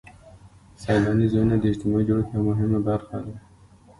سیلاني ځایونه د اجتماعي جوړښت یوه مهمه برخه ده.